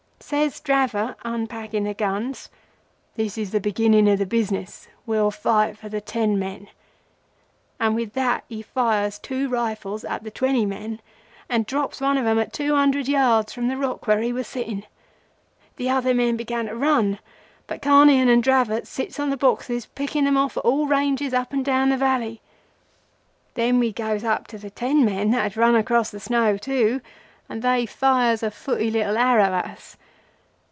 Says Dravot, unpacking the guns—'This is the beginning of the business. We'll fight for the ten men,' and with that he fires two rifles at the twenty men and drops one of them at two hundred yards from the rock where we was sitting. The other men began to run, but Carnehan and Dravot sits on the boxes picking them off at all ranges, up and down the valley. Then we goes up to the ten men that had run across the snow too, and they fires a footy little arrow at us.